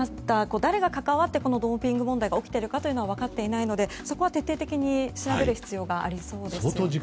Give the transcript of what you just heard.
誰が関わってこのドーピング問題が起きているかは分かっていないのでそこは徹底的に調べる必要がありそうですね。